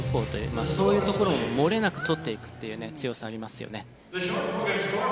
まあそういうところも漏れなく取っていくっていうね強さありますよね。